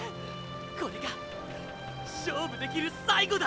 これが勝負できる最後だ！